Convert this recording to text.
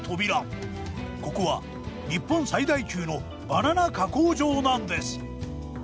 ここは日本最大級のバナナ加工場なんです。